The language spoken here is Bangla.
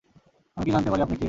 আমি কি জানতে পারি আপনি কে?